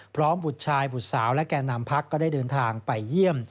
บุตรชายบุตรสาวและแก่นำพักก็ได้เดินทางไปเยี่ยม